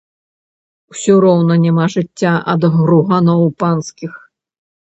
Усё роўна няма жыцця ад груганоў панскіх.